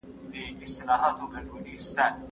اړتیا وي نو جراحي ممکنه ده.